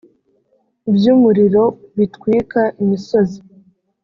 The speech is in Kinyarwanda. by umuriro bitwika imisozi